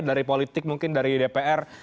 dari politik mungkin dari dpr